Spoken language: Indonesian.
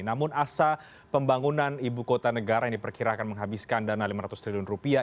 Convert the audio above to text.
namun asa pembangunan ibu kota negara yang diperkirakan menghabiskan dana rp lima ratus triliun